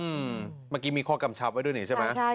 เมื่อกี้มีข้อกำชับไว้ด้วยนี่ใช่ไหม